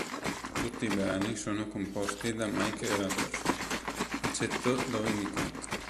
Tutti i brani sono composti da Mike Rutherford eccetto dove indicato.